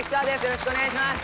よろしくお願いします！